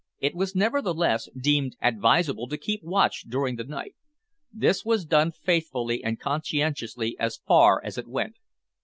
It was nevertheless deemed advisable to keep watch during the night. This was done faithfully and conscientiously as far as it went.